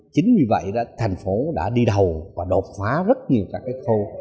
chính vì vậy thành phố đã đi đầu và đột phá rất nhiều các cái khâu